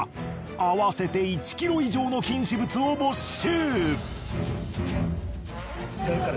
合わせて１ｋｇ以上の禁止物を没収！